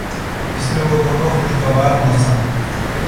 جس میں وہ دونوں خوشگوار موسم